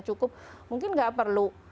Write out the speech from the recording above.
cukup mungkin nggak perlu